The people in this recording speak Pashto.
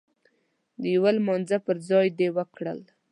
د يو لمانځه پر ځای دې وکړل.